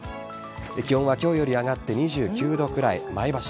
気温は今日より上がって２９度くらい。